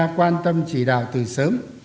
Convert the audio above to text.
quan tâm chỉ đạo từ sớm